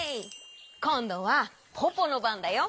こんどはポポのばんだよ。